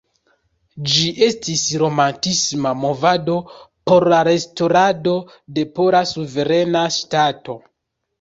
Ĝi estis Romantisma movado por la restaŭrado de Pola suverena ŝtato.